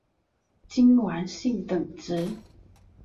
金丸信等职。